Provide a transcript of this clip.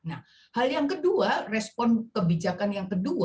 nah hal yang kedua respon kebijakan yang kedua